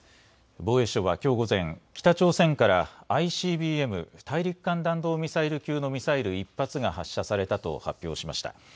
防衛省はきょう午前、北朝鮮からＩＣＢＭ・大陸間弾道ミサイル級のミサイル１発が発射されたと発表しました。